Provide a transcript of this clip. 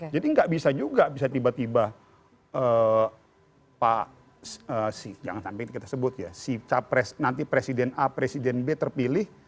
jadi nggak bisa juga bisa tiba tiba pak si jangan sampai kita sebut ya si capres nanti presiden a presiden b terpilih